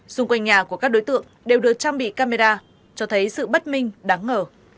xung quanh nhà của các đối tượng đều được trang bị camera cho thấy sự bất minh đáng ngờ